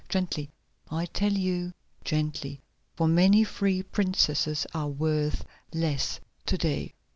Gently, I tell you, gently, for many free princesses are worth less to day."